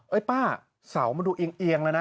เอ้ยป้าสาวมันดูเอียงแล้วนะ